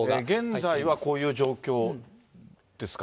現在はこういう状況ですか。